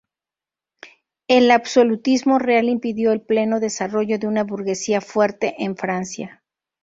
El absolutismo real impidió el pleno desarrollo de una burguesía fuerte en Francia.